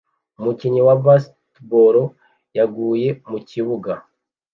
Umukinnyi wa Basketball yaguye mukibuga